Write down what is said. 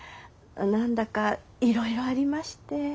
何だかいろいろありまして。